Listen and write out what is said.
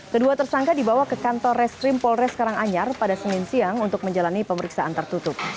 kedua tersangka dibawa ke kantor reskrim polres karanganyar pada senin siang untuk menjalani pemeriksaan tertutup